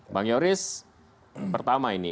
bang yoris pertama ini